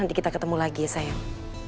nanti kita ketemu lagi ya sayang